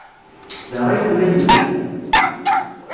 Da ay tella yemma-k?